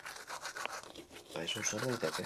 Aizu, sar naiteke?